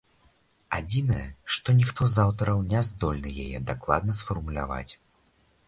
Адзінае, што ніхто з аўтараў не здольны яе дакладна сфармуляваць.